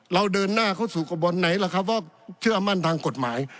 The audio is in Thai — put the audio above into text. เราเดินหน้าเข้าสู่กระบวนไหนล่ะครับว่าเชื่อมั่นทางกฎหมาย